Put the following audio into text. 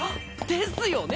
ですよね！